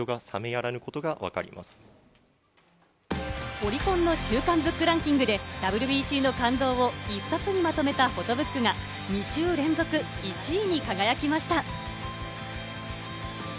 オリコンの週間ＢＯＯＫランキングでＷＢＣの感動を１冊にまとめたフォトブックが、２週連続１位に輝きました。